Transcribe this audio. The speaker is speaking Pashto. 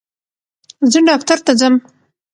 زه ډاکټر ته ځم